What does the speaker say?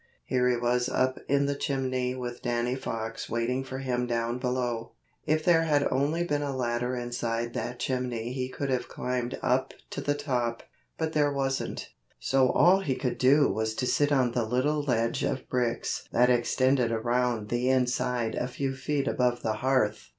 Here he was up in the chimney with Danny Fox waiting for him down below. If there had only been a ladder inside that chimney he could have climbed up to the top. But there wasn't, so all he could do was to sit on the little ledge of bricks that extended around the inside a few feet above the hearth.